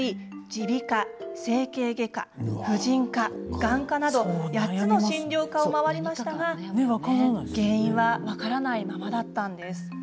耳鼻科整形外科婦人科眼科など８つの診療科を回りましたが原因は分からないままだったんです。